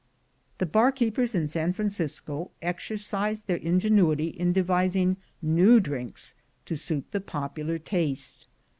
The bar keepers in San Francisco exercised their ingenuity in devising new drinks to suit the popular taste.